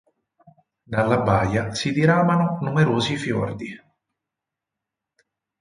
Dalla baia si diramano numerosi fiordi.